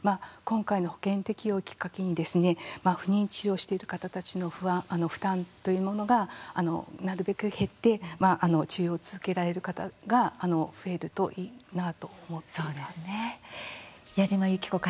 今回の保険適用をきっかけに不妊治療をしている方たちの不安、負担というものがなるべく減って治療を続けられる方が増えるといいなと思っています。